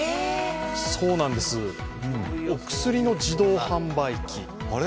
そうなんです、お薬の自動販売機。